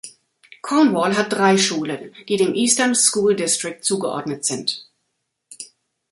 Cornwall hat drei Schulen, die dem Eastern School District zugeordnet sind.